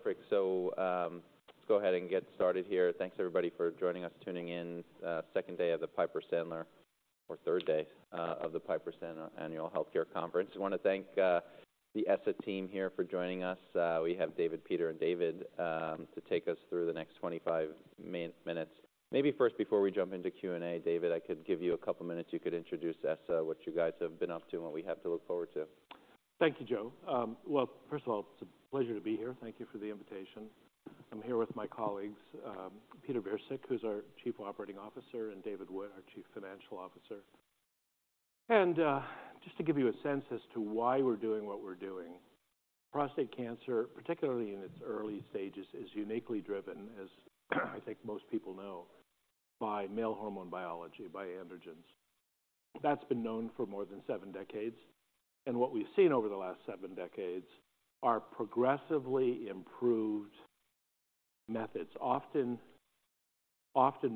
Perfect. So, let's go ahead and get started here. Thanks, everybody, for joining us, tuning in, second day of the Piper Sandler, or third day, of the Piper Sandler Annual Healthcare Conference. I want to thank, the ESSA team here for joining us. We have David, Peter, and David, to take us through the next 25 minutes. Maybe first, before we jump into Q&A, David, I could give you a couple minutes. You could introduce ESSA, what you guys have been up to, and what we have to look forward to. Thank you, Joe. Well, first of all, it's a pleasure to be here. Thank you for the invitation. I'm here with my colleagues, Peter Virsik, who's our Chief Operating Officer, and David Wood, our Chief Financial Officer. Just to give you a sense as to why we're doing what we're doing, prostate cancer, particularly in its early stages, is uniquely driven, as I think most people know, by male hormone biology, by androgens. That's been known for more than seven decades, and what we've seen over the last seven decades are progressively improved methods, often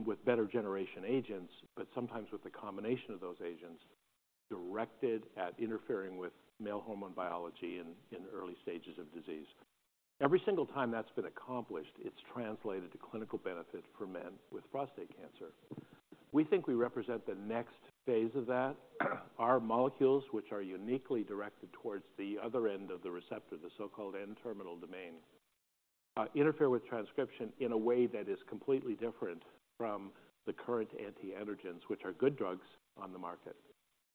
with better generation agents, but sometimes with a combination of those agents, directed at interfering with male hormone biology in early stages of disease. Every single time that's been accomplished, it's translated to clinical benefit for men with prostate cancer. We think we represent the next phase of that. Our molecules, which are uniquely directed towards the other end of the receptor, the so-called N-terminal domain, interfere with transcription in a way that is completely different from the current anti-androgens, which are good drugs on the market.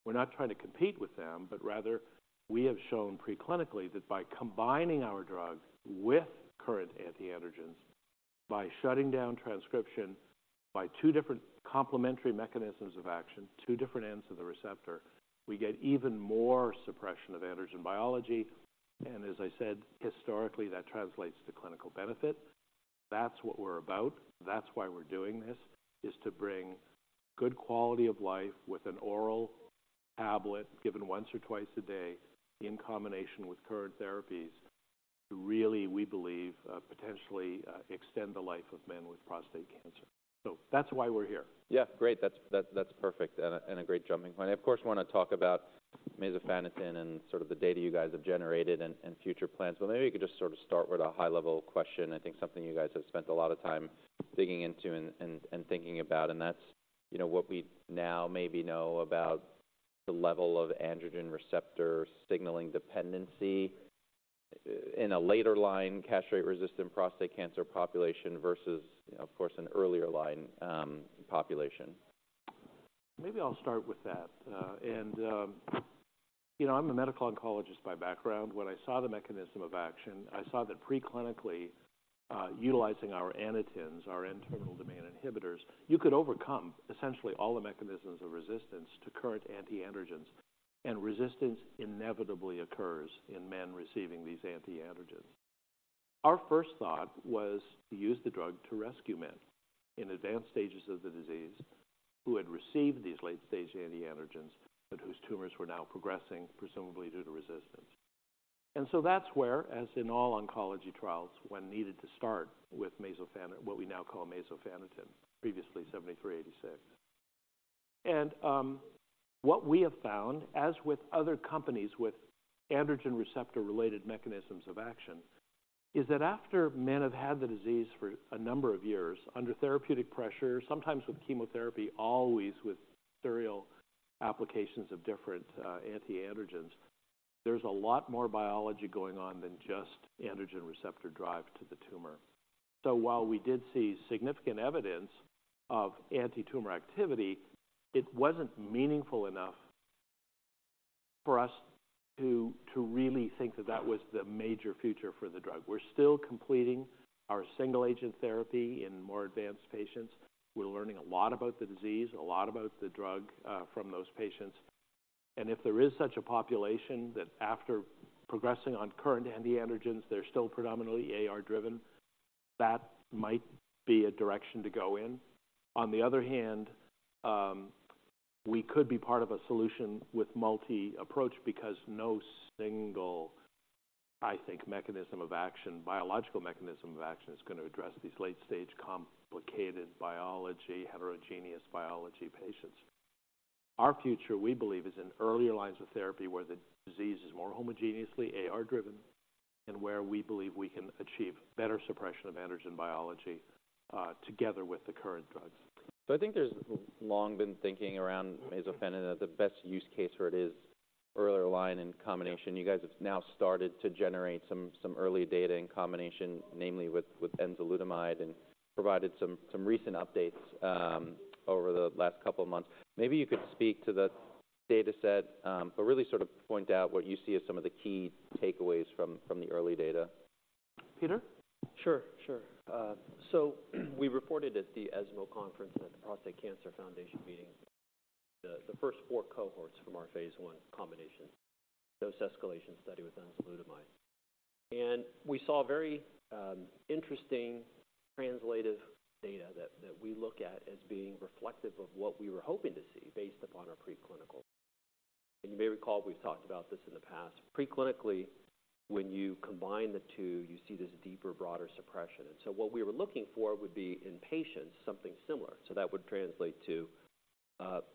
We're not trying to compete with them, but rather, we have shown preclinically that by combining our drug with current anti-androgens, by shutting down transcription by two different complementary mechanisms of action, two different ends of the receptor, we get even more suppression of androgen biology. And as I said, historically, that translates to clinical benefit. That's what we're about. That's why we're doing this, is to bring good quality of life with an oral tablet given once or twice a day in combination with current therapies to really, we believe, potentially, extend the life of men with prostate cancer. So that's why we're here. Yeah, great. That's perfect and a great jumping point. I, of course, want to talk about masofaniten and sort of the data you guys have generated and future plans. But maybe you could just sort of start with a high-level question. I think something you guys have spent a lot of time digging into and thinking about, and that's, you know, what we now maybe know about the level of androgen receptor signaling dependency in a later line, castration-resistant prostate cancer population versus, you know, of course, an earlier line population. Maybe I'll start with that. And, you know, I'm a medical oncologist by background. When I saw the mechanism of action, I saw that preclinically, utilizing our Anitens, our N-terminal domain inhibitors, you could overcome essentially all the mechanisms of resistance to current anti-androgens, and resistance inevitably occurs in men receiving these anti-androgens. Our first thought was to use the drug to rescue men in advanced stages of the disease who had received these late-stage anti-androgens, but whose tumors were now progressing, presumably due to resistance. And so that's where, as in all oncology trials, we needed to start with masofaniten, what we now call masofaniten, previously EPI-7386. And, what we have found, as with other companies with androgen receptor-related mechanisms of action, is that after men have had the disease for a number of years, under therapeutic pressure, sometimes with chemotherapy, always with serial applications of different, anti-androgens, there's a lot more biology going on than just androgen receptor drive to the tumor. So while we did see significant evidence of anti-tumor activity, it wasn't meaningful enough for us to, to really think that that was the major future for the drug. We're still completing our single agent therapy in more advanced patients. We're learning a lot about the disease, a lot about the drug, from those patients. And if there is such a population that after progressing on current anti-androgens, they're still predominantly AR driven, that might be a direction to go in. On the other hand, we could be part of a solution with multi-approach because no single, I think, mechanism of action, biological mechanism of action, is going to address these late stage, complicated biology, heterogeneous biology patients. Our future, we believe, is in earlier lines of therapy where the disease is more homogeneously AR driven and where we believe we can achieve better suppression of androgen biology, together with the current drugs. So I think there's long been thinking around masofaniten, that the best use case for it is earlier line in combination. You guys have now started to generate some early data in combination, namely with enzalutamide, and provided some recent updates over the last couple of months. Maybe you could speak to the data set, but really sort of point out what you see as some of the key takeaways from the early data. Peter? Sure, sure. So we reported at the ESMO conference at the Prostate Cancer Foundation meeting, the first four cohorts from our phase I combination, dose escalation study with enzalutamide. And we saw very, interesting translational data that we look at as being reflective of what we were hoping to see based upon our preclinical. And you may recall, we've talked about this in the past. Preclinically, when you combine the two, you see this deeper, broader suppression. And so what we were looking for would be in patients, something similar. So that would translate to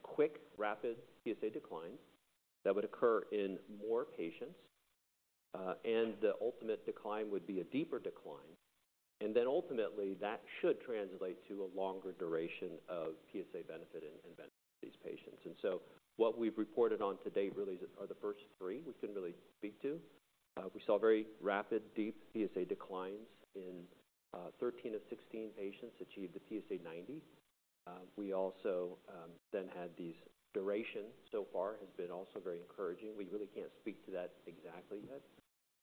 quick, rapid PSA decline that would occur in more patients, and the ultimate decline would be a deeper decline. And then ultimately, that should translate to a longer duration of PSA benefit in these patients. What we've reported on to date really are the first three, we couldn't really speak to. We saw very rapid, deep PSA declines in 13 of 16 patients achieve the PSA90. We also then had these duration so far has been also very encouraging. We really can't speak to that exactly yet,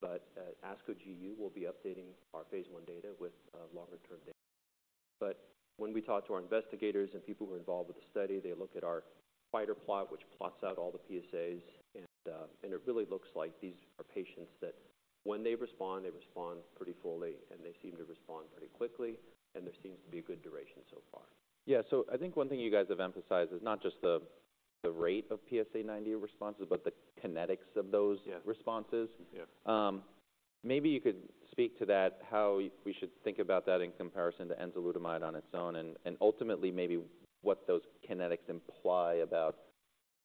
but at ASCO GU, we'll be updating our phase I data with longer-term data. When we talk to our investigators and people who are involved with the study, they look at our spider plot, which plots out all the PSAs, and it really looks like these are patients that when they respond, they respond pretty fully, and they seem to respond pretty quickly, and there seems to be a good duration so far. Yeah. So I think one thing you guys have emphasized is not just the rate of PSA90 responses, but the kinetics of those- Yeah. - responses. Yeah. Maybe you could speak to that, how we should think about that in comparison to enzalutamide on its own, and ultimately, maybe what those kinetics imply about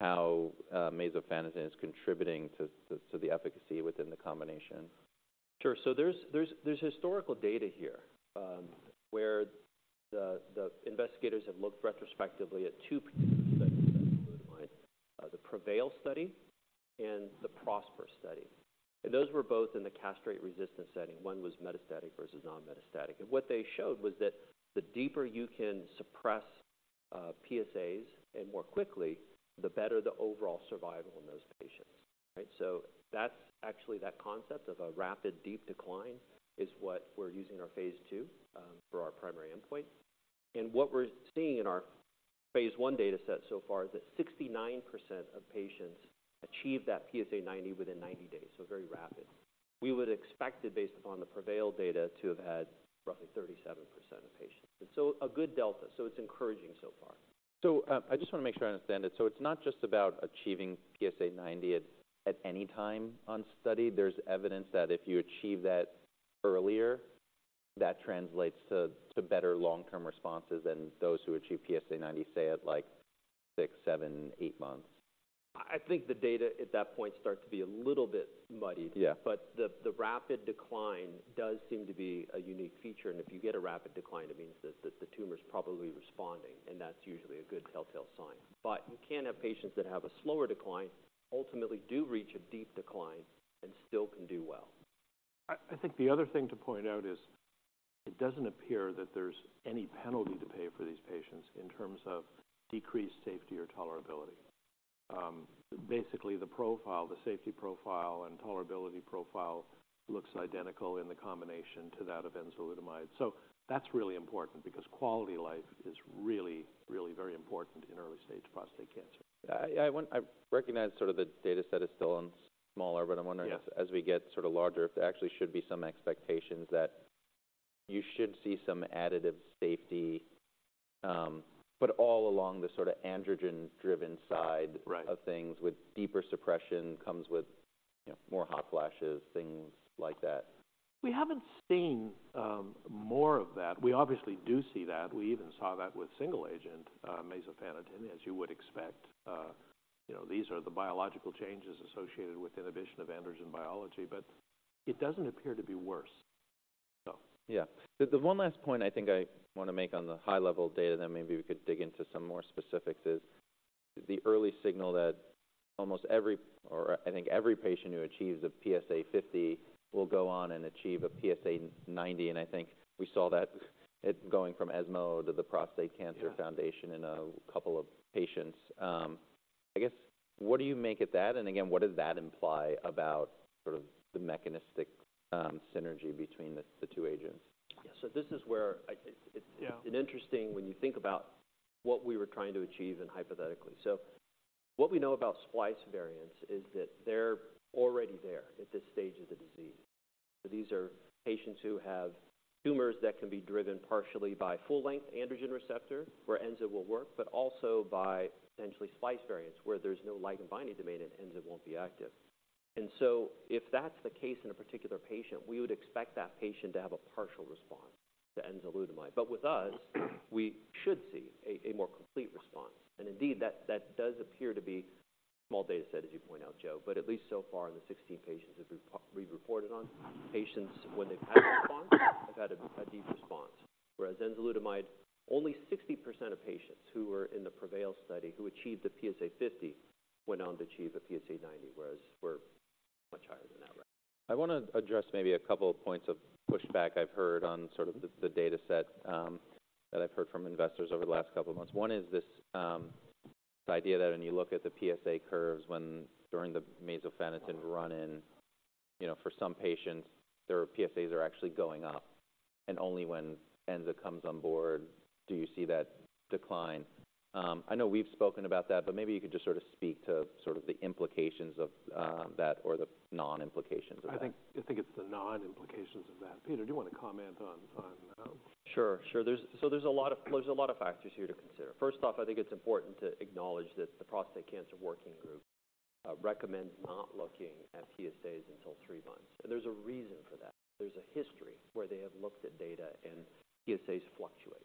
how masofaniten is contributing to the efficacy within the combination. Sure. So there's historical data here, where the investigators have looked retrospectively at two particular studies, the PREVAIL study and the PROSPER study. And those were both in the castration-resistant setting. One was metastatic versus non-metastatic. And what they showed was that the deeper you can suppress PSAs and more quickly, the better the overall survival in those patients. Right? So that's actually that concept of a rapid, deep decline is what we're using our phase II for our primary endpoint. And what we're seeing in our phase I data set so far is that 69% of patients achieve that PSA90 within 90 days, so very rapid. We would expect it, based upon the PREVAIL data, to have had roughly 37% of patients. And so a good delta. So it's encouraging so far. So, I just want to make sure I understand it. So it's not just about achieving PSA90 at any time on study. There's evidence that if you achieve that earlier, that translates to better long-term responses than those who achieve PSA90, say, at like six, seven, eight months. I think the data at that point start to be a little bit muddied. Yeah. But the rapid decline does seem to be a unique feature, and if you get a rapid decline, it means that the tumor is probably responding, and that's usually a good telltale sign. But you can have patients that have a slower decline, ultimately do reach a deep decline and still can do well. I think the other thing to point out is it doesn't appear that there's any penalty to pay for these patients in terms of decreased safety or tolerability. Basically, the profile, the safety profile and tolerability profile looks identical in the combination to that of enzalutamide. So that's really important because quality of life is really, really very important in early-stage prostate cancer. I want... I recognize sort of the data set is still on smaller, but I'm wondering- Yeah... as we get sort of larger, if there actually should be some expectations that you should see some additive safety, but all along the sort of androgen-driven side- Right of things with deeper suppression comes with, you know, more hot flashes, things like that. We haven't seen more of that. We obviously do see that. We even saw that with single agent masofaniten, as you would expect. You know, these are the biological changes associated with inhibition of androgen biology, but it doesn't appear to be worse. So. Yeah. The one last point I think I want to make on the high-level data, then maybe we could dig into some more specifics, is the early signal that almost every, or I think every patient who achieves a PSA50 will go on and achieve a PSA90. And I think we saw that it going from ESMO to the Prostate Cancer Foundation- Yeah - in a couple of patients. I guess, what do you make of that? And again, what does that imply about sort of the mechanistic synergy between the two agents? Yeah. So this is where I- Yeah... it's interesting when you think about what we were trying to achieve and hypothetically. So what we know about splice variants is that they're already there at this stage of the disease. So these are patients who have tumors that can be driven partially by full-length androgen receptor, where enza will work, but also by potentially splice variants, where there's no ligand binding domain and enza won't be active. And so if that's the case in a particular patient, we would expect that patient to have a partial response to enzalutamide. But with us, we should see a, a more complete response. And indeed, that, that does appear to be small data set, as you point out, Joe, but at least so far in the 16 patients that we've re-reported on, patients when they've had a response, have had a, a deep response. Whereas enzalutamide, only 60% of patients who were in the PREVAIL study, who achieved the PSA50, went on to achieve a PSA90, whereas we're much higher than that, right? I want to address maybe a couple of points of pushback I've heard on sort of the data set that I've heard from investors over the last couple of months. One is this idea that when you look at the PSA curves, during the masofaniten run-in, you know, for some patients, their PSAs are actually going up, and only when enza comes on board do you see that decline. I know we've spoken about that, but maybe you could just sort of speak to sort of the implications of that or the non-implications of that. I think, I think it's the non-implications of that. Peter, do you want to comment on, on- Sure, sure. There's so there's a lot of, there's a lot of factors here to consider. First off, I think it's important to acknowledge that the Prostate Cancer Working Group recommends not looking at PSAs until three months, and there's a reason for that. There's a history where they have looked at data, and PSAs fluctuate.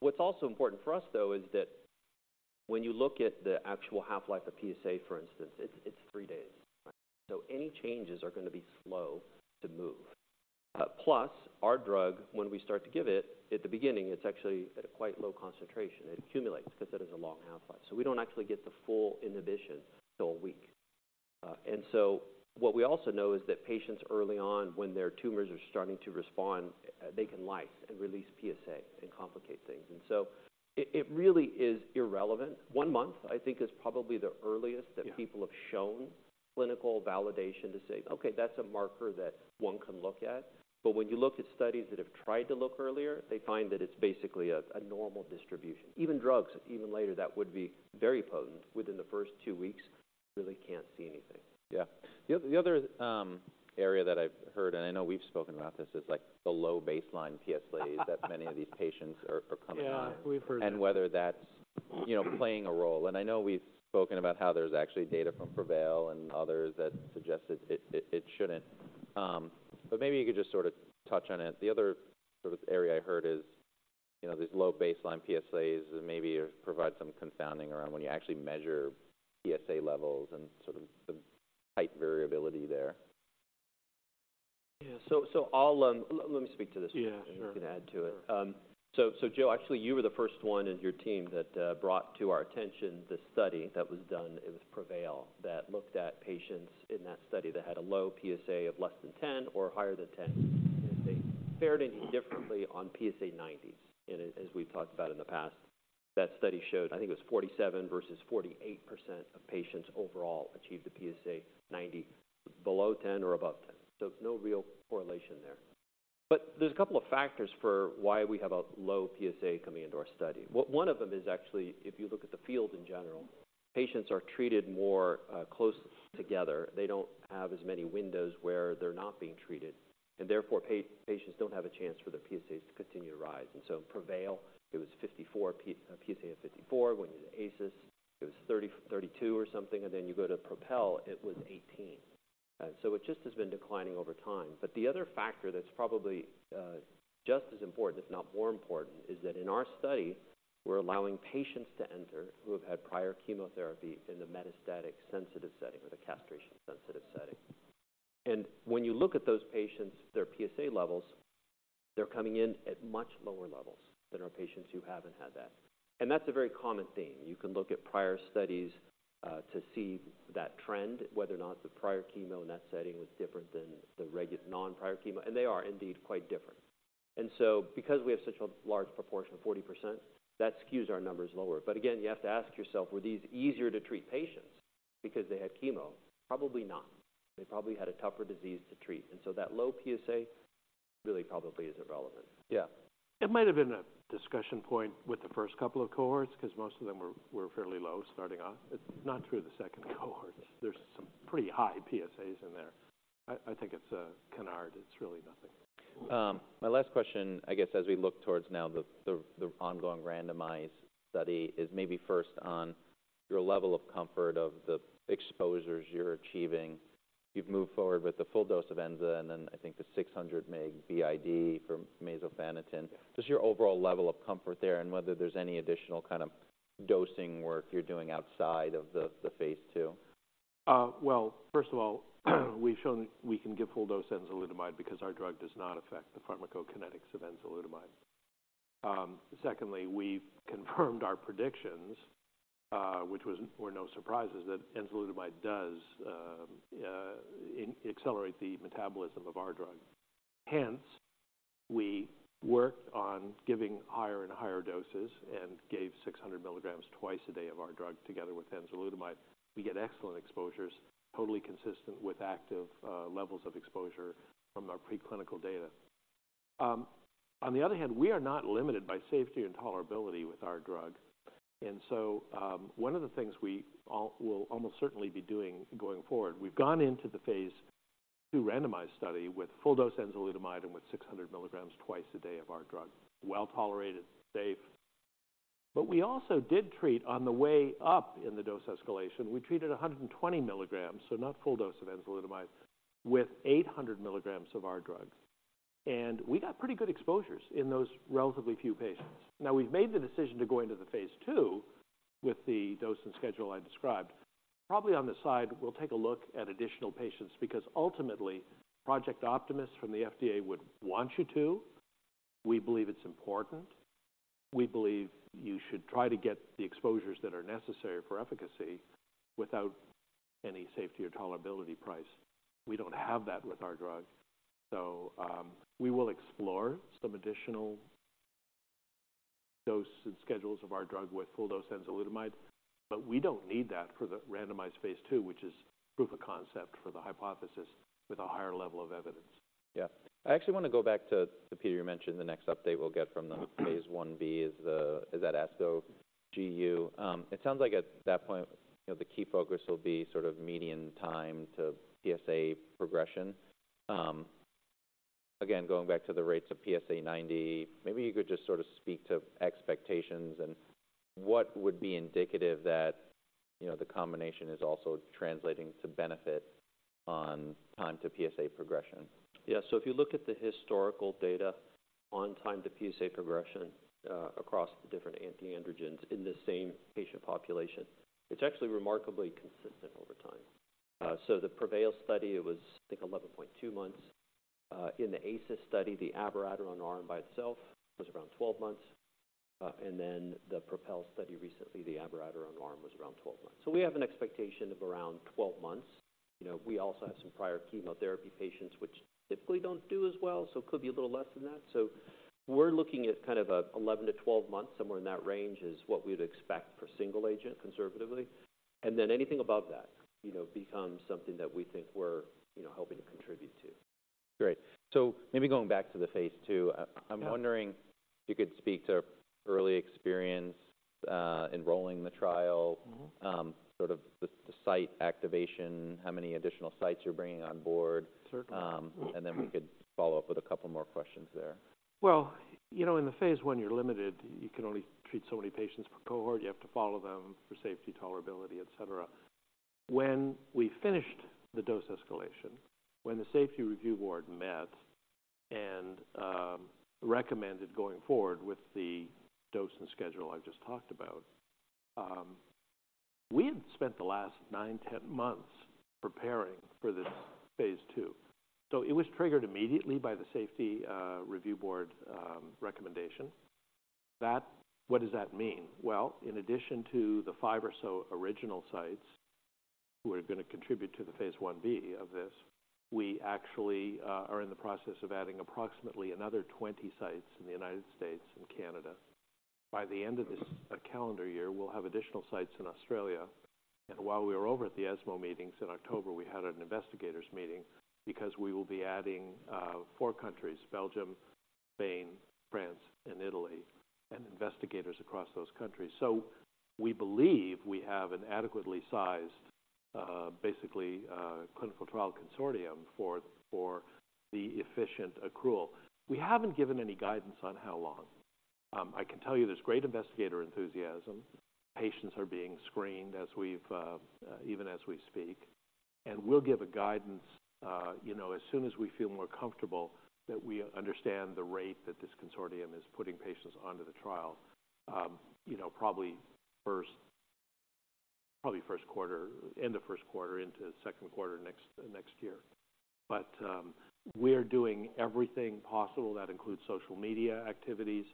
What's also important for us, though, is that when you look at the actual half-life of PSA, for instance, it's, it's three days. So any changes are going to be slow to move. Plus our drug, when we start to give it, at the beginning, it's actually at a quite low concentration. It accumulates because it has a long half-life, so we don't actually get the full inhibition till a week. And so what we also know is that patients early on, when their tumors are starting to respond, they can lyse and release PSA and complicate things. And so it really is irrelevant. One month, I think, is probably the earliest- Yeah. that people have shown clinical validation to say, "Okay, that's a marker that one can look at." But when you look at studies that have tried to look earlier, they find that it's basically a normal distribution. Even drugs, even later, that would be very potent within the first two weeks, really can't see anything. Yeah. The other area that I've heard, and I know we've spoken about this, is like the low baseline PSAs—that many of these patients are coming on. Yeah, we've heard that. Whether that's, you know, playing a role. I know we've spoken about how there's actually data from PREVAIL and others that suggest that it shouldn't. But maybe you could just sort of touch on it. The other sort of area I heard is, you know, these low baseline PSAs maybe provide some confounding around when you actually measure PSA levels and sort of the height variability there. Yeah. So, let me speak to this. Yeah, sure. You can add to it. Sure. So, so Joe, actually, you were the first one in your team that brought to our attention this study that was done. It was PREVAIL, that looked at patients in that study that had a low PSA of less than 10 or higher than 10, if they fared any differently on PSA90. And as, as we've talked about in the past, that study showed, I think it was 47% versus 48% of patients overall achieved the PSA90, below 10 or above 10. So no real correlation there. But there's a couple of factors for why we have a low PSA coming into our study. One, one of them is actually, if you look at the field in general, patients are treated more close together. They don't have as many windows where they're not being treated, and therefore, patients don't have a chance for their PSAs to continue to rise. And so PREVAIL, it was 54, PSA of 54. When you did ACIS, it was 32 or something, and then you go to PROPEL, it was 18. So it just has been declining over time. But the other factor that's probably just as important, if not more important, is that in our study, we're allowing patients to enter who have had prior chemotherapy in the metastatic sensitive setting or the castration sensitive setting. And when you look at those patients, their PSA levels, they're coming in at much lower levels than our patients who haven't had that. And that's a very common theme. You can look at prior studies to see that trend, whether or not the prior chemo in that setting was different than the non-prior chemo, and they are indeed quite different. So because we have such a large proportion, 40%, that skews our numbers lower. But again, you have to ask yourself, were these easier to treat patients because they had chemo? Probably not. They probably had a tougher disease to treat, and so that low PSA really probably isn't relevant. Yeah. It might have been a discussion point with the first couple of cohorts, because most of them were fairly low starting off. It's not true of the second cohort. There's some pretty high PSAs in there. I think it's a canard. It's really nothing. My last question, I guess, as we look towards now the ongoing randomized study, is maybe first on your level of comfort of the exposures you're achieving. You've moved forward with the full dose of enza, and then I think the 600 mg BID for masofaniten. Just your overall level of comfort there and whether there's any additional kind of dosing work you're doing outside of the phase II. Well, first of all, we've shown we can give full dose enzalutamide because our drug does not affect the pharmacokinetics of enzalutamide. Secondly, we've confirmed our predictions, which were no surprises, that enzalutamide does accelerate the metabolism of our drug. Hence, we worked on giving higher and higher doses and gave 600 mg twice a day of our drug together with enzalutamide. We get excellent exposures, totally consistent with active levels of exposure from our preclinical data. On the other hand, we are not limited by safety and tolerability with our drug. And so, one of the things we all will almost certainly be doing going forward, we've gone into the phase II randomized study with full dose enzalutamide and with 600 mg twice a day of our drug, well-tolerated, safe. But we also did treat on the way up in the dose escalation. We treated 120 mg, so not full dose of enzalutamide, with 800 mg of our drug. And we got pretty good exposures in those relatively few patients. Now, we've made the decision to go into the phase II with the dose and schedule I described. Probably on the side, we'll take a look at additional patients because ultimately, Project Optimist from the FDA would want you to. We believe it's important. We believe you should try to get the exposures that are necessary for efficacy without any safety or tolerability price. We don't have that with our drug, so we will explore some additional doses and schedules of our drug with full dose enzalutamide, but we don't need that for the randomized phase II, which is proof of concept for the hypothesis with a higher level of evidence. Yeah. I actually want to go back to, Peter, you mentioned the next update we'll get from the phase I-B is at ASCO GU. It sounds like at that point, you know, the key focus will be sort of median time to PSA progression. Again, going back to the rates of PSA90, maybe you could just sort of speak to expectations and what would be indicative that, you know, the combination is also translating to benefit on time to PSA progression. Yes. So if you look at the historical data on time to PSA progression, across the different anti-androgens in the same patient population, it's actually remarkably consistent over time. So the PREVAIL study, it was, I think, 11.2 months. In the ACIS study, the abiraterone arm by itself was around 12 months. And then the PROPEL study recently, the abiraterone arm was around 12 months. So we have an expectation of around 12 months. You know, we also have some prior chemotherapy patients, which typically don't do as well, so it could be a little less than that. So we're looking at kind of a 11-12 months. Somewhere in that range is what we'd expect for single agent, conservatively. And then anything above that, you know, becomes something that we think we're, you know, helping to contribute to. Great. So maybe going back to the phase II. Yeah. I'm wondering if you could speak to early experience enrolling the trial? Mm-hmm. Sort of the site activation, how many additional sites you're bringing on board? Certainly. Then we could follow up with a couple more questions there. Well, you know, in the phase I, you're limited. You can only treat so many patients per cohort. You have to follow them for safety, tolerability, et cetera. When we finished the dose escalation, when the safety review board met and recommended going forward with the dose and schedule I've just talked about, we had spent the last nine, 10 months preparing for this phase II. So it was triggered immediately by the safety review board recommendation. That - what does that mean? Well, in addition to the five or so original sites who are going to contribute to the phase I-B of this, we actually are in the process of adding approximately another 20 sites in the United States and Canada. By the end of this calendar year, we'll have additional sites in Australia. While we were over at the ESMO meetings in October, we had an investigators meeting because we will be adding four countries: Belgium, Spain, France, and Italy, and investigators across those countries. We believe we have an adequately sized, basically, clinical trial consortium for the efficient accrual. We haven't given any guidance on how long. I can tell you there's great investigator enthusiasm. Patients are being screened as we've even as we speak, and we'll give a guidance, you know, as soon as we feel more comfortable that we understand the rate that this consortium is putting patients onto the trial. You know, probably first quarter, end of first quarter into the second quarter, next year. But we're doing everything possible. That includes social media activities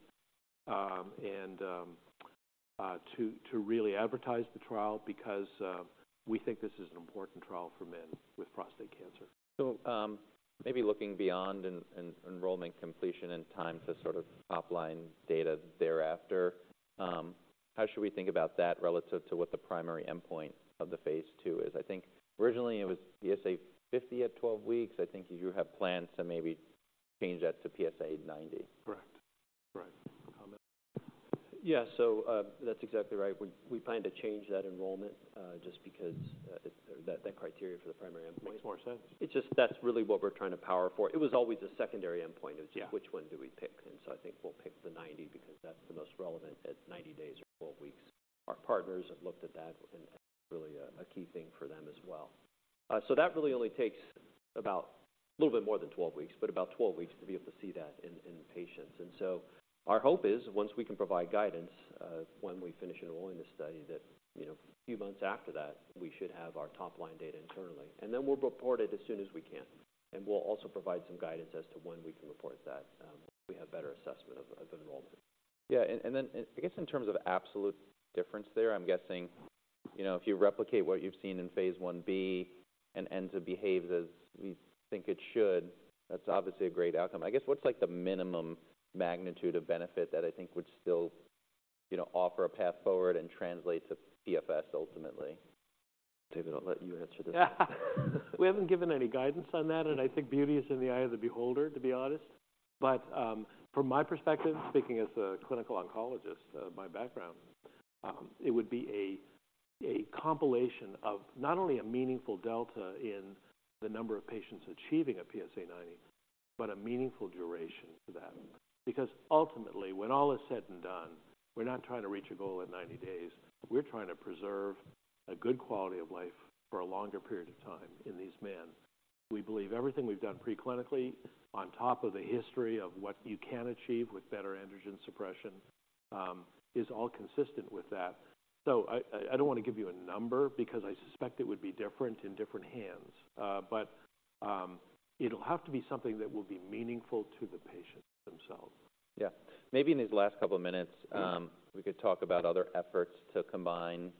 and to really advertise the trial, because we think this is an important trial for men with prostate cancer. So, maybe looking beyond enrollment completion and time to sort of top-line data thereafter, how should we think about that relative to what the primary endpoint of the phase II is? I think originally it was PSA50 at 12 weeks. I think you have plans to maybe change that to PSA90. Correct. Correct. Yeah. So, that's exactly right. We plan to change that enrollment just because that criteria for the primary endpoint- Makes more sense. It's just that's really what we're trying to power for. It was always a secondary endpoint. Yeah. It's just which one do we pick? And so I think we'll pick the 90 because that's the most relevant at 90 days or 12 weeks. Our partners have looked at that, and it's really a key thing for them as well. So that really only takes about a little bit more than 12 weeks, but about 12 weeks to be able to see that in patients. And so our hope is once we can provide guidance, when we finish enrolling the study, that, you know, a few months after that, we should have our top-line data internally, and then we'll report it as soon as we can. And we'll also provide some guidance as to when we can report that, we have better assessment of the enrollment. Yeah, and then I guess in terms of absolute difference there, I'm guessing, you know, if you replicate what you've seen in phase I-B and enza behaves as we think it should, that's obviously a great outcome. I guess what's like the minimum magnitude of benefit that I think would still, you know, offer a path forward and translate to PFS ultimately? David, I'll let you answer this. We haven't given any guidance on that, and I think beauty is in the eye of the beholder, to be honest. But, from my perspective, speaking as a clinical oncologist, my background, it would be a, a compilation of not only a meaningful delta in the number of patients achieving a PSA90, but a meaningful duration to that. Because ultimately, when all is said and done, we're not trying to reach a goal in 90 days. We're trying to preserve a good quality of life for a longer period of time in these men. We believe everything we've done pre-clinically, on top of the history of what you can achieve with better androgen suppression, is all consistent with that. So I, I, I don't want to give you a number, because I suspect it would be different in different hands. It'll have to be something that will be meaningful to the patients themselves. Yeah. Maybe in these last couple of minutes- Yeah... we could talk about other efforts to combine,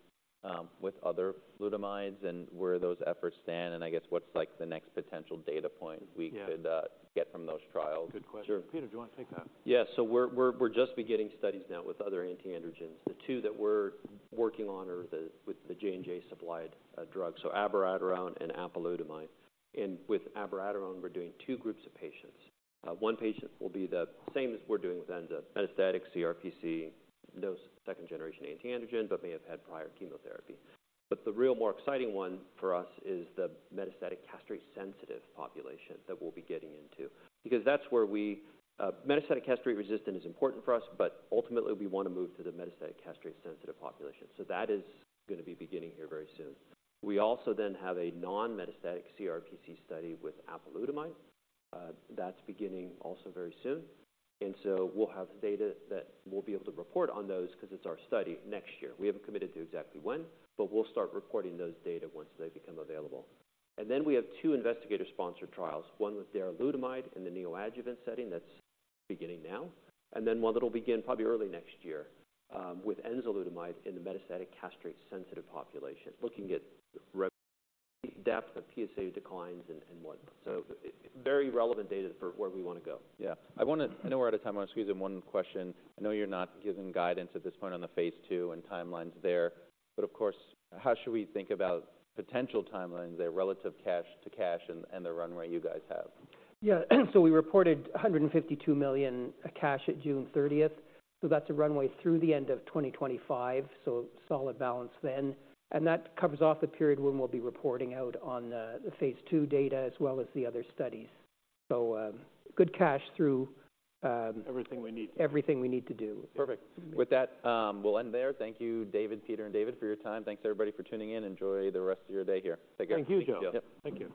with other flutamides and where those efforts stand, and I guess what's like the next potential data point- Yeah - we could get from those trials? Good question. Sure. Peter, do you want to take that? Yeah. So we're just beginning studies now with other anti-androgens. The two that we're working on are with the J&J supplied drugs, so abiraterone and apalutamide. And with abiraterone, we're doing two groups of patients. One patient will be the same as we're doing with metastatic CRPC, those second-generation anti-androgen, but may have had prior chemotherapy. But the real more exciting one for us is the metastatic castration-sensitive population that we'll be getting into, because that's where we... Metastatic castration-resistant is important for us, but ultimately, we want to move to the metastatic castration-sensitive population. So that is going to be beginning here very soon. We also then have a non-metastatic CRPC study with apalutamide. That's beginning also very soon. And so we'll have data that we'll be able to report on those, because it's our study, next year. We haven't committed to exactly when, but we'll start reporting those data once they become available. And then we have two investigator-sponsored trials, one with darolutamide in the neoadjuvant setting that's beginning now, and then one that will begin probably early next year, with enzalutamide in the metastatic castrate-sensitive population, looking at the depth of PSA declines and what. So very relevant data for where we want to go. Yeah. I want to, I know we're out of time. I want to squeeze in one question. I know you're not giving guidance at this point on the phase II and timelines there, but of course, how should we think about potential timelines there, relative cash to cash and, and the runway you guys have? Yeah. So we reported $152 million cash at June 30th. So that's a runway through the end of 2025. So solid balance then. And that covers off the period when we'll be reporting out on the phase II data as well as the other studies. So, good cash through- Everything we need. Everything we need to do. Perfect. With that, we'll end there. Thank you, David, Peter, and David for your time. Thanks, everybody, for tuning in. Enjoy the rest of your day here. Take care. Thank you, Joe. Yep. Thank you.